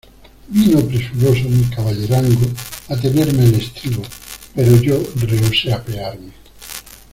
vino presuroso mi caballerango a tenerme el estribo, pero yo rehusé apearme.